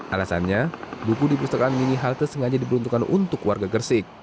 alasannya buku di pustakaan mini halte sengaja diperuntukkan untuk warga gersik